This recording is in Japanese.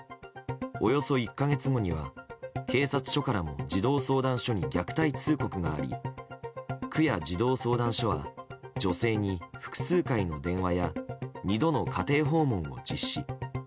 およそ１か月後には警察署からも児童相談所に虐待通告があり区や児童相談所は女性に複数回の電話や２度の家庭訪問を実施。